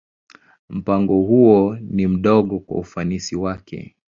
Mpango huo ni mdogo kwa ufanisi wake.